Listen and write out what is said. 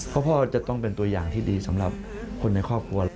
เพราะพ่อจะต้องเป็นตัวอย่างที่ดีสำหรับคนในครอบครัว